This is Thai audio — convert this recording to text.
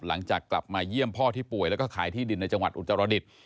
หลังจากกลับมาเยี่ยมพ่อที่ป่วยแล้วก็ขายที่ดินในจังหวัดอุตรดิษฐ์